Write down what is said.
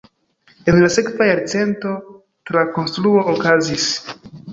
En la sekva jarcento trakonstruo okazis.